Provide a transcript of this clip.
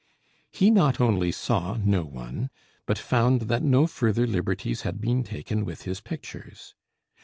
He not only saw no one, but found that no further liberties had been taken with his pictures.